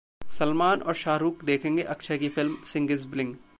सलमान और शाहरुख देखेंगे अक्षय की फिल्म 'सिंह इज ब्लिंग'